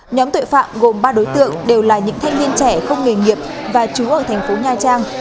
nhóm tội phạm gồm ba đối tượng đều là những thanh niên trẻ không nghề nghiệp và chú ở thành phố nha trang